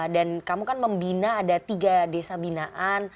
dan kamu kan membina ada tiga desa binaan